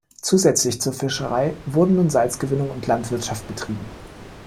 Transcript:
Zusätzlich zur Fischerei wurden nun Salzgewinnung und Landwirtschaft betrieben.